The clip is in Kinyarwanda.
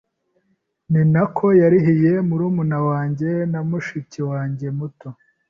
ni nako yarihiye murumuna wanjye na mushiki wanjyemuto